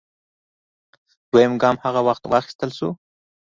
دویم ګام هغه وخت واخیستل شو